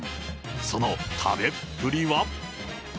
その食べっぷりは。